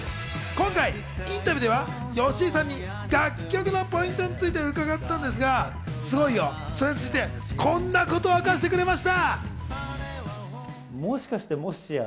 今回インタビューでは吉井さんに楽曲のポイントについて伺ったんですが、それについてこんなことを明かしてくれました。